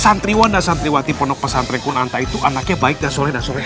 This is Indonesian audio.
santriwan dan santriwati ponok pesantri kunanta itu anaknya baik dan sore dan sore